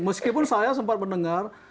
meskipun saya sempat mendengar